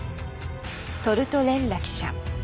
トルトレッラ記者。